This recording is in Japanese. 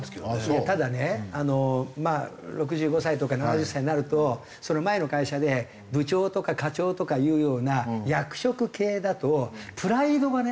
ただねまあ６５歳とか７０歳になると前の会社で部長とか課長とかいうような役職系だとプライドがね。